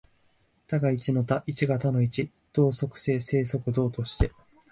多が一の多、一が多の一、動即静、静即動として、